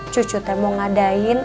cucu aku mau ngadain